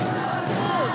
そうだ！